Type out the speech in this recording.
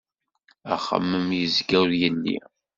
Axemmem yezga ur yelli.